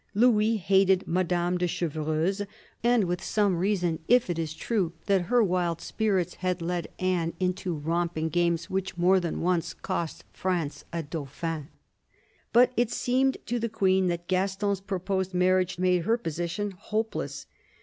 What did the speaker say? Louis hated Madame de Chevreuse, and with some reason if it is true that her wild spirits had led Anne into romping games which more than once cost France a Dauphin. But it seemed to the Queen that Gaston's proposed marriage made her position hopeless.